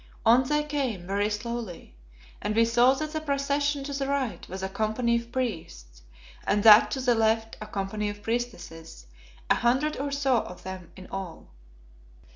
On they came, very slowly, and we saw that the procession to the right was a company of priests, and that to the left a company of priestesses, a hundred or so of them in all.